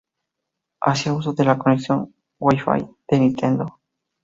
Hacía uso de la conexión Wi-Fi de Nintendo.